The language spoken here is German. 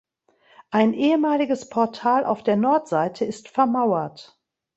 Ein ehemaliges Portal auf der Nordseite ist vermauert.